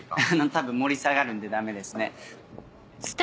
多分盛り下がるんでダメですね。